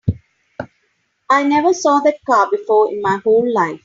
I never saw that car before in my whole life.